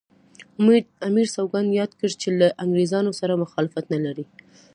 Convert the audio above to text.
امیر سوګند یاد کړ چې له انګریزانو سره مخالفت نه لري.